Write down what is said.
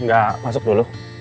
enggak masuk dulu